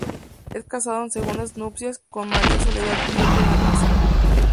Es casado en segundas nupcias con María Soledad Biel de la Maza.